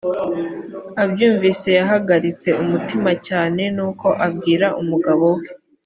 abyumvise yahagaritse umutima cyane nuko abwira umugabo we